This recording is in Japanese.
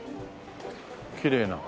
きれいな。